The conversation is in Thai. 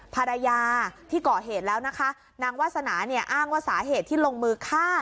ภรรยาที่เกาะเหตุแล้วนะคะนางวาสนาเนี่ยอ้างว่าสาเหตุที่ลงมือฆ่า